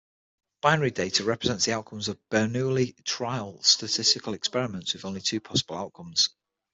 Binary data represents the outcomes of Bernoulli trials-statistical experiments with only two possible outcomes.